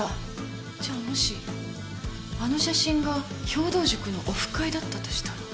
じゃあもしあの写真が兵藤塾のオフ会だったとしたら？